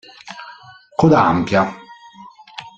Coda ampia.